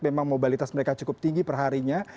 memang mobilitas mereka cukup tinggi perharinya